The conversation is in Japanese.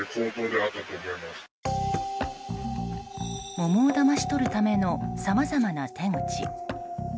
桃をだまし取るためのさまざまな手口。